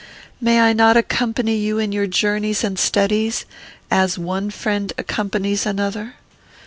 May I not accompany you in your journeys and studies, as one friend accompanies another?